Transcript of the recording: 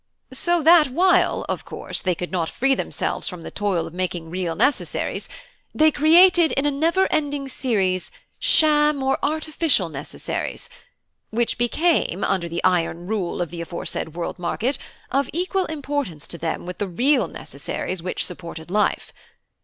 So that while (of course) they could not free themselves from the toil of making real necessaries, they created in a never ending series sham or artificial necessaries, which became, under the iron rule of the aforesaid World Market, of equal importance to them with the real necessaries which supported life.